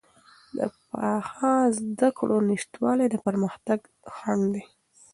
د پاخه زده کړو نشتوالی د پرمختګ خنډ دی.